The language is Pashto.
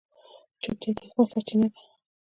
چوپتیا، د حکمت سرچینه ده.